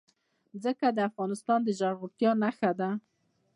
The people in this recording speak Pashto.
ځمکه د افغانستان د زرغونتیا نښه ده.